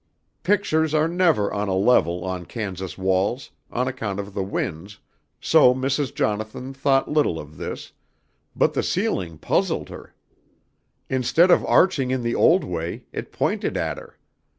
Pictures are never on a level on Kansas walls on account of the winds, so Mrs. Jonathan thought little of this, but the ceiling puzzled her. Instead of arching in the old way, it pointed at her.